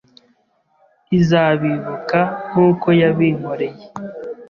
izabibuka nkuko yabinkoreye